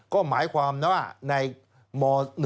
ก็หมายความว่าในม๑